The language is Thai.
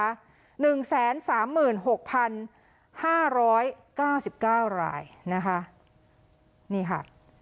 หนึ่งแสนสามหมื่นหกพันห้าร้อยเก้าสิบเก้ารายนะคะนี่ค่ะ